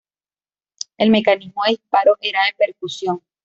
El mecanismo de disparo era de percusión.